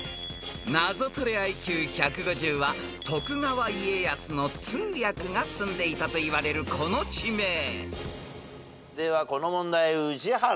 ［ナゾトレＩＱ１５０は徳川家康の通訳が住んでいたといわれるこの地名］ではこの問題宇治原。